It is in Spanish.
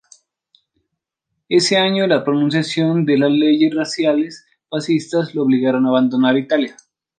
Ese año, la promulgación de las leyes raciales fascistas lo obligaron a abandonar Italia.